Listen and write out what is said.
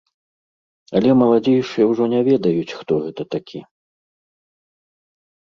Але маладзейшыя ўжо не ведаюць, хто гэта такі.